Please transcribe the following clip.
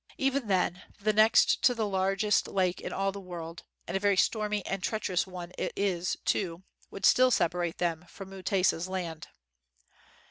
Even then the next to the largest lake in all the world — and a very stormy and treacherous one it is, too, — would still separate them from Mu tesa 's land.